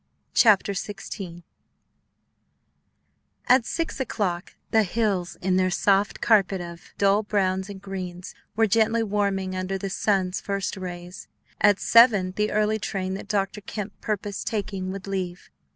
Chapter XVI At six o'clock the hills in their soft carpet of dull browns and greens were gently warming under the sun's first rays. At seven the early train that Dr. Kemp purposed taking would leave.